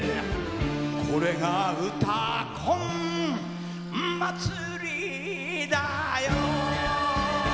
「これが「うたコン」祭りだよ」